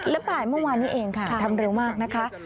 แล้วภายเมื่อวานี้เองทำเร็วมากนะคะ